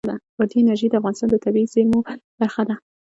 بادي انرژي د افغانستان د طبیعي زیرمو برخه ده.